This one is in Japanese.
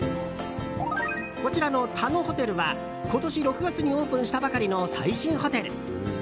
こちらのタノホテルは今年６月にオープンしたばかりの最新ホテル。